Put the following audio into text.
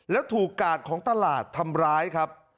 แล้วถูกกาดของตลาดทำร้ายครับ